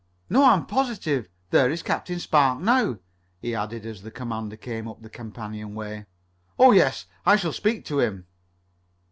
"No, I am positive. There is Captain Spark now," he added as the commander came up a companionway. "Oh, yes. I shall speak to him."